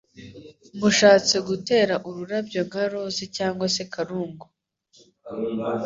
Mushatse gutera ururabyo nka Rose cyangwa se Karungu